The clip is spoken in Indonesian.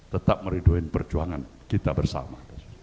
tetap meriduin perjuangan kita bersama